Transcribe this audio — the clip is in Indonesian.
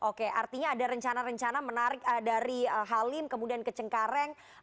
oke artinya ada rencana rencana menarik dari halim kemudian ke cengkareng